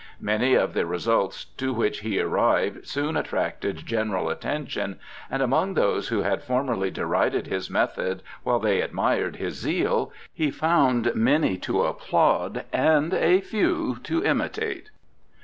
Many of the results to which he arrived soon attracted general attention, and among those who had formerly derided his method while they admired his zeal, he found many to applaud and a few to imitate.